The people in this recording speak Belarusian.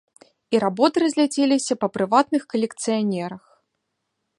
І работы разляцеліся па прыватных калекцыянерах.